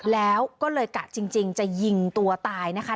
แล้วก็เลยกะจริงจะยิงตัวตายนะคะ